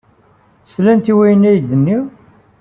Slant i wayen ay d-nniɣ?